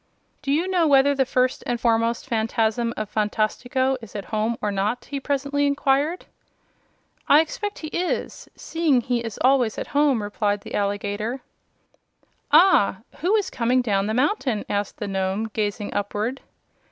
"Do you know whether the First and Foremost Phanfasm of Phantastico is at home or not?" he presently inquired. "I expect he is, seeing he is always at home," replied the alligator. "Ah; who is that coming down the mountain?" asked the Nome, gazing upward.